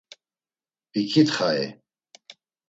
Viǩitxai?